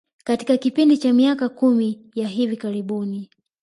Katika kipindi cha miaka kumi ya hivi karibuni